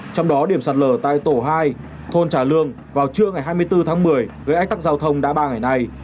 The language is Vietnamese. trong đó điểm sạt lở tại tổ hai thôn trà lương vào trưa ngày hai mươi bốn tháng một mươi gây ách tắc giao thông đã ba ngày nay